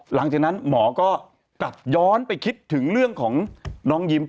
หลังจากนั้นหมอก็กลับย้อนไปคิดถึงเรื่องของน้องยิ้ม